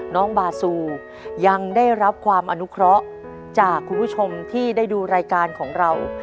น้องบาซูยังได้รับความอนุเคราะห์จากคุณผู้ชมที่ได้ดูรายการของเรา